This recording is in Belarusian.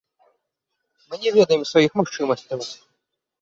Мы не ведаем сваіх магчымасцяў.